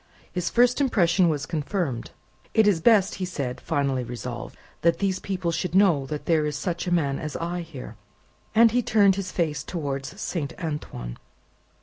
His first impression was confirmed. "It is best," he said, finally resolved, "that these people should know there is such a man as I here." And he turned his face towards Saint Antoine.